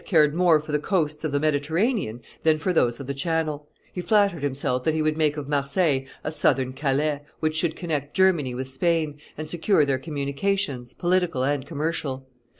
cared more for the coasts of the Mediterranean than for those of the Channel; he flattered himself that he would make of Marseilles a southern Calais, which should connect Germany with Spain, and secure their communications, political and commercial.